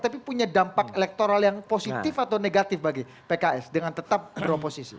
tapi punya dampak elektoral yang positif atau negatif bagi pks dengan tetap beroposisi